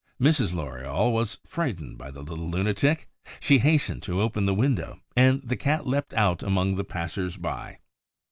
Mrs. Loriol was frightened by the little lunatic; she hastened to open the window; and the Cat leapt out among the passers by.